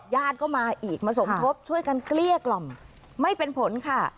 ญาติก็มาอีกมาสมทบช่วยกันเกลี้ยกล่อมไม่เป็นผลค่ะ